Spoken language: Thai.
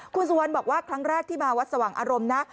คุณสุวรรณบอกว่าครั้งแรกที่มาวัดสว่างอารมณ์นะ